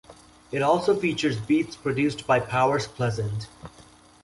It also features beats produced by Powers Pleasant.